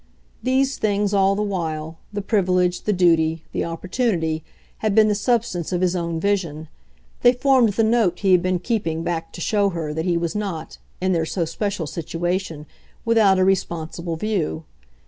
These things, all the while, the privilege, the duty, the opportunity, had been the substance of his own vision; they formed the note he had been keeping back to show her that he was not, in their so special situation, without a responsible view.